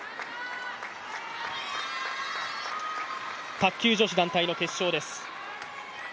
卓球女子団体の決勝です。